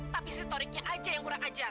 tapi si toriknya aja yang kurang ajar